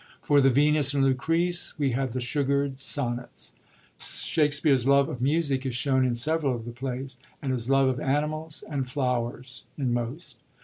For the Venvs and Lucrece we have the * sugard ' Sonnets, Shakspere's love of music is shown in several of the plays, and his love of animals and flowers in most.